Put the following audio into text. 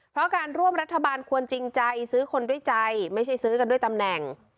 เพราะการร่วมรัฐบาลควรจริงใจซื้อคนด้วยใจไม่ใช่ซื้อกันด้วยตำแหน่ง